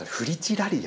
ラリア。